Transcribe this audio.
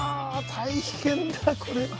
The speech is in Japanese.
大変だこれは。